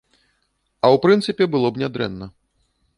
А ў прынцыпе, было б нядрэнна.